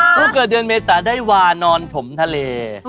งุกกะเดือนเมษฐาได้หวานอนผมทะเล